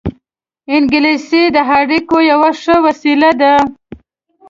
انګلیسي د اړیکو یوه ښه وسیله ده